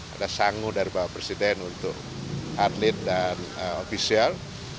ada sangu dari bapak presiden untuk atlet dan ofisial